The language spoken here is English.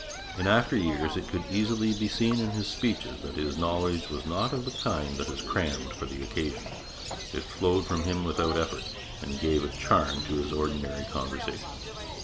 In after years it could easily be seen in his speeches that his knowledge was not of the kind that is crammed for the occasion. It flowed from him without effort, and gave a charm to his ordinary conversation.